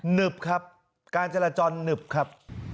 ึบครับการจราจรหนึบครับ